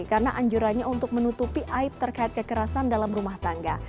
karena anjurannya untuk menutupi aib terkait kekerasan dalam rumah tangga